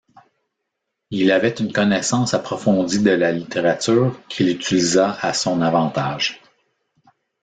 Il avait une connaissance approfondie de la littérature qu’il utilisa à son avantage.